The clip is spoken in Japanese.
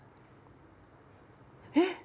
えっ！